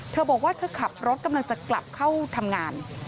เธอบอกว่าเธอขับรถกำลังจะกลับเข้าทำงาน